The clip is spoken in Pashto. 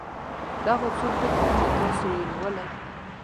دغه څو ټکي چې تاسې یې لولئ.